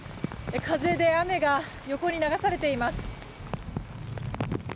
風で雨が横に流されています。